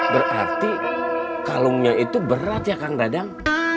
berarti kalungnya itu berat ya kang dadang